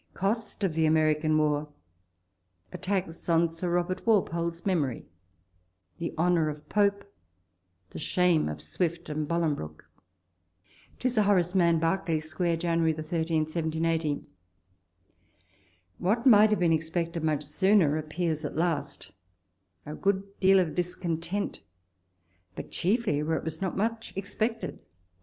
... COST OF THE AMERICAN WAR— ATTACKS ON SIR ROBERT WALPOLE'S MEMORY— THE HONOUR OF PORE—THE SHAME OF SWIFT AND BOLINGBROKE. To Sir Horace Mann. Berkeley Square, Jan. 13, 1780. ... What might have been expected much sooner, appears at last — a good deal of dis content ; but chiefly where it was not much expected.